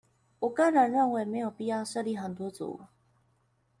我個人認為沒有必要設立很多組